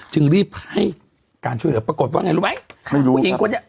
จึงรีบให้การช่วยเหลือปรากฏว่าไงรู้ไหมไม่รู้ผู้หญิงคนนี้